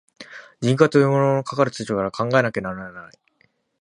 人格というものも、かかる立場から考えられねばならない。